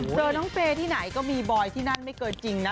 เจอน้องเฟย์ที่ไหนก็มีบอยที่นั่นไม่เกินจริงนะ